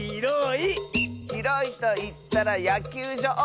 「ひろいといったらやきゅうじょう！」